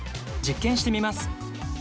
実験してみます。